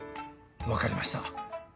わかりました。